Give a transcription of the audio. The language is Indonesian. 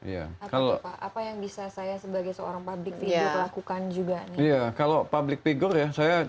ya kalau apa yang bisa saya sebagai seorang pabrik ya lakukan juga iya kalau public figure saya